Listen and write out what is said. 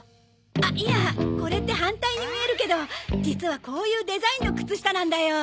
あっいやこれって反対に見えるけど実はこういうデザインの靴下なんだよ。